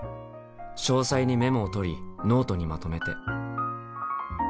詳細にメモを取りノートにまとめて。